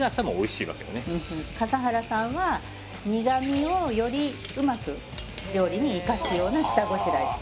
笠原さんは苦味をよりうまく料理に生かすような下ごしらえって。